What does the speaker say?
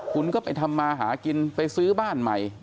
คุณก็ไปทำมาหากินไปซื้อบ้านใหม่